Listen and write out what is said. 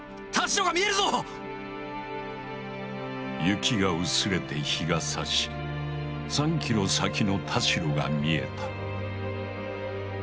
雪が薄れて日がさし３ｋｍ先の田代が見えた。